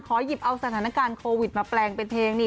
หยิบเอาสถานการณ์โควิดมาแปลงเป็นเพลงนี่